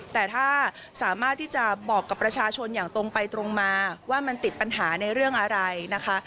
แต่ถ้าสามารถที่จะบอกกับประชาชนอย่างตรงไปตรงมาว่ามันติดปัญหาในเรื่องอะไรนะคะ